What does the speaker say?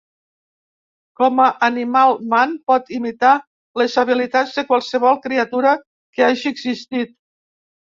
Com a Animal Man pot imitar les habilitats de qualsevol criatura que hagi existit.